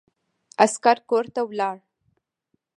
عسکر کورته ولاړ.